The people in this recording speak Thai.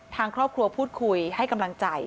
ทางครอบครัวพูดคุยให้กำลังใจ